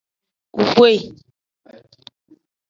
Hwe.